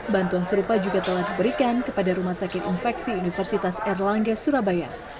bantuan serupa juga telah diberikan kepada rumah sakit infeksi universitas erlangga surabaya